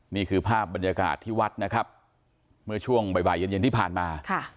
นี่คือภาพบรรยากาศที่วัดนะครับเมื่อช่วงบ่ายเย็นที่ผ่านมา